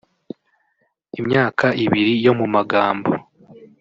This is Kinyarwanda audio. imyaka ibiri yo mu magambo)